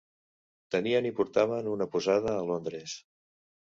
Tenien i portaven una posada a Londres.